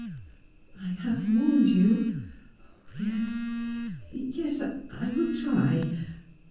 "I have warned you. Yes, yes! I will try!